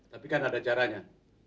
tapi kan ada caranya